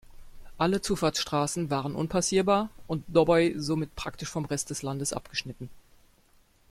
Alle Zufahrtsstraßen waren unpassierbar und Doboj somit praktisch vom Rest des Landes abgeschnitten.